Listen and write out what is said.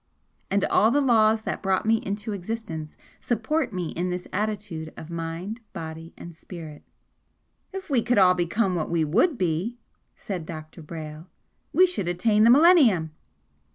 and all the laws that brought me into existence support me in this attitude of mind, body and spirit!" "If we could all become what we WOULD be," said Dr. Brayle, "we should attain the millennium!"